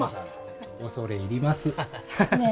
恐れ入ります